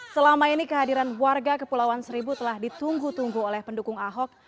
selama ini kehadiran warga kepulauan seribu telah ditunggu tunggu oleh pendukung ahok